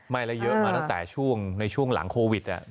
ไม่แล้วเยอะมาตั้งแต่ช่วงหลังโควิด